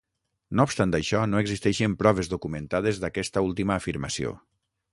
No obstant això, no existeixen proves documentades d'aquesta última afirmació.